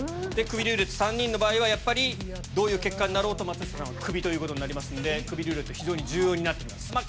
クビルーレット３人の場合はやっぱりどういう結果になろうと松下さんはクビということになりますんでクビルーレット非常に重要になって来ます。